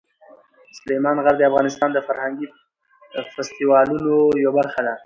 سلیمان غر د افغانستان د فرهنګي فستیوالونو یوه برخه ده.